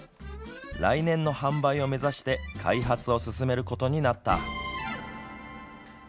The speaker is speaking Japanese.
来年の販売を目指して開発を進めることになった。